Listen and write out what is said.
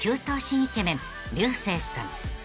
イケメン竜星さん］